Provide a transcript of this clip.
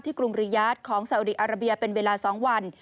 กรุงริยาทของสาวดีอาราเบียเป็นเวลา๒วัน